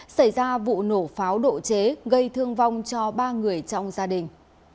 xảy ra vụ nổ pháo độ chế gây thương vong cho ba người trong gia đình